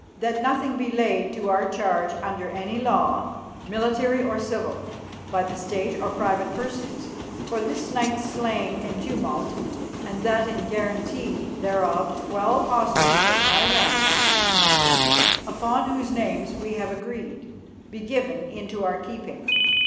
That nothing be laid to our charge under any law, military or civil, by the State or private persons, for this night's slaying and tumult, and that in guarantee thereof twelve hostages of high rank, upon whose names we have agreed, be given into our keeping.